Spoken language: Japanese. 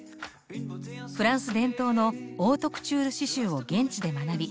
フランス伝統のオートクチュール刺しゅうを現地で学び